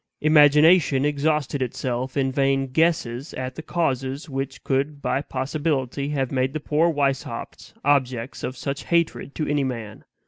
Imagination exhausted itself in vain guesses at the causes which could by possibility have made the poor Weishaupts objects of such hatred to any man.